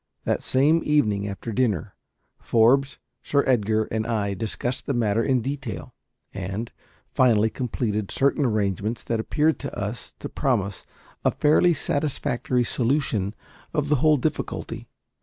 That same evening, after dinner, Forbes, Sir Edgar, and I discussed the matter in detail, and finally completed certain arrangements that appeared to us to promise a fairly satisfactory solution of the whole difficulty.